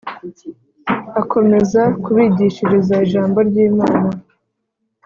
Akomeza kubigishiriza ijambo ry Imana